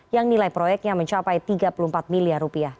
yang nilai proyeknya mencapai tiga puluh empat miliar rupiah